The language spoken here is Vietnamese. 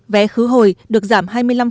vé khứ hồi được giảm hai mươi năm